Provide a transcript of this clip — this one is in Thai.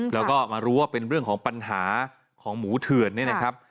แล้วก็มารู้ว่าเป็นเรื่องของปัญหาของหมูเถื่อนเนี่ยนะครับ